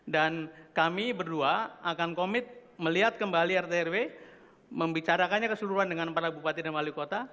dan kami berdua akan komit melihat kembali rtw membicarakannya keseluruhan dengan para bupati dan wali kota